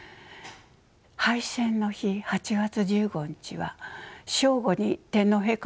敗戦の日８月１５日は正午に天皇陛下のお言葉があった。